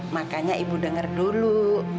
makanya ibu denger dulu